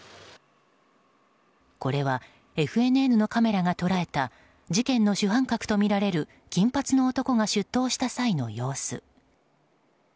これは、ＦＮＮのカメラが捉えた事件の主犯格とみられる金髪の男が出頭した際の様子。